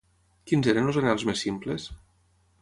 Quins eren els anhels més simples?